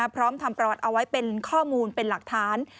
พร้อมทำประวัติเอาไว้เป็นข้อมูลเป็นหลักฐาน